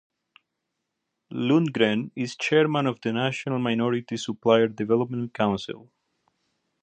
Lundgren is chairman of the National Minority Supplier Development Council.